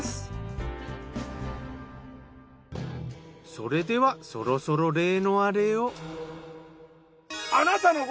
それではそろそろ例のアレを。